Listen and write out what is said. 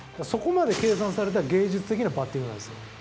そこまで計算された芸術的なバッティングなんですよ。